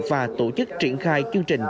và tổ chức triển khai chương trình